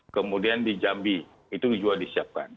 kemudian di jambi itu juga disiapkan